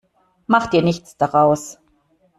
Mach dir nichts daraus.